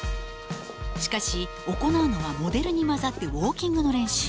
しかし行うのはモデルに交ざってウォーキングの練習。